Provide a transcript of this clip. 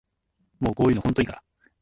もうこういうのほんといいから